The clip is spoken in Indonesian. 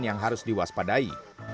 yang harus diwaspadai